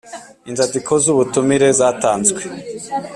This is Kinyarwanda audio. Inzandiko z ubutumire zatanzwe